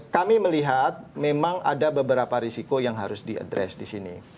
kami melihat memang ada beberapa risiko yang harus diadres di sini